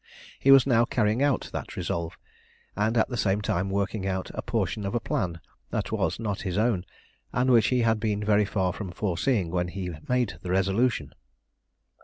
He was now carrying out that resolve, and at the same time working out a portion of a plan that was not his own, and which he had been very far from foreseeing when he made the resolution.